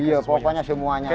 iya pokoknya semuanya